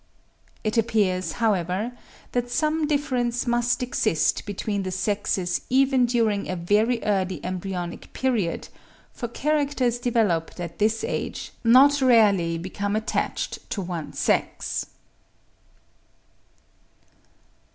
It appears, however, that some difference must exist between the sexes even during a very early embryonic period, for characters developed at this age not rarely become attached to one sex.